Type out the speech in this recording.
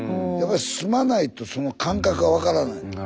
やっぱり住まないとその感覚が分からない。